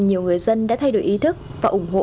nhiều người dân đã thay đổi ý thức và ủng hộ